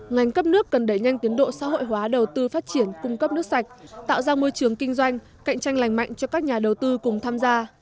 ngành cấp nước cần đẩy nhanh tiến độ xã hội hóa đầu tư phát triển cung cấp nước sạch tạo ra môi trường kinh doanh cạnh tranh lành mạnh cho các nhà đầu tư cùng tham gia